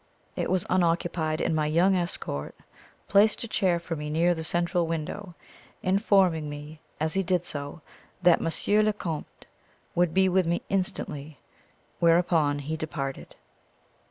It was unoccupied, and my young escort placed a chair for me near the central window, informing me as he did so that "Monsieur le Comte" would be with me instantly; whereupon he departed.